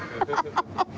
ハハハハ。